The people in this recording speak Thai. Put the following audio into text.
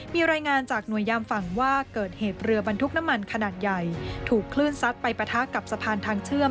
มีเรายาการจากนวยลงฝั่งว่าเกิดเหตุเรือบันทุกขนาดใหญ่ถูกคลื่นสัดไปปะทะกับสะพานทางเชื่อม